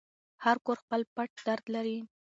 هر کور خپل پټ درد لري.